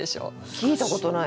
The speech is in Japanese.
聞いたことないです。